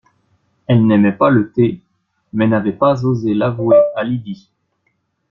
Elle n’aimait pas le thé, mais n’avait pas osé l’avouer à Lydie